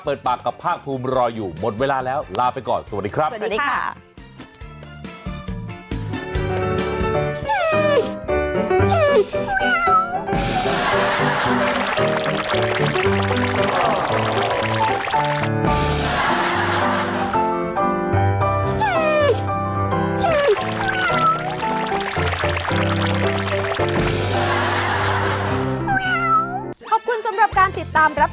เปิดปากกับภาคภูมิรออยู่หมดเวลาแล้วลาไปก่อนสวัสดีครับสวัสดีค่ะ